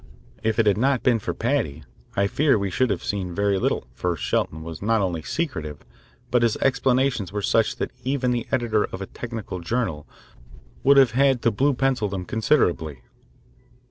If it had not been for Paddy, I fear we should have seen very little, for Shelton was not only secretive, but his explanations were such that even the editor of a technical journal would have had to blue pencil them considerably.